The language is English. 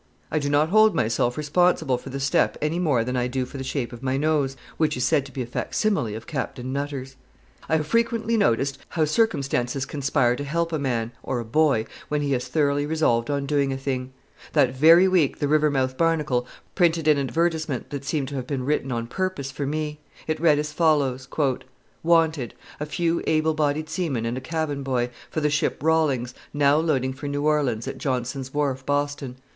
I do not hold myself responsible for the step any more than I do for the shape of my nose, which is said to be a facsimile of Captain Nutter's. I have frequently noticed how circumstances conspire to help a man, or a boy, when he has thoroughly resolved on doing a thing. That very week the Rivermouth Barnacle printed an advertisement that seemed to have been written on purpose for me. It read as follows: WANTED. A Few Able bodied Seamen and a Cabin Boy, for the ship Rawlings, now loading for New Orleans at Johnson's Wharf, Boston.